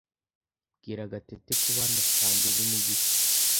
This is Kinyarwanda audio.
Bwira Gatete kuba hano saa mbiri n'igice.